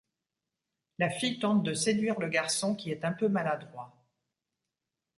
La fille tente de séduire le garçon qui est un peu maladroit.